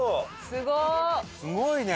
すごいね！